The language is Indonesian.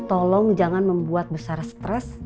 tolong jangan membuat besar stres